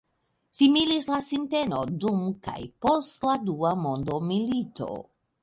Similis la sinteno dum kaj post la dua mondomilito.